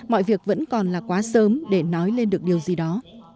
mọi việc vẫn còn là quá sớm để nói lên được điều gì đó